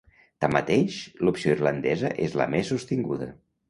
Tanmateix, l'opció irlandesa és la més sostinguda.